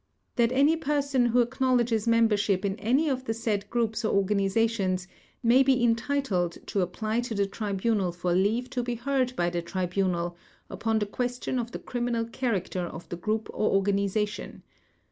THAT any person who acknowledges membership in any of the said groups or organizations may be entitled to apply to the Tribunal for leave to be heard by the Tribunal upon the question of the criminal character of the group or organization.